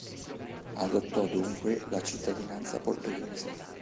Adottò dunque la cittadinanza portoghese.